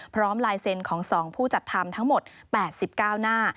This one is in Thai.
ลายเซ็นต์ของ๒ผู้จัดทำทั้งหมด๘๙หน้า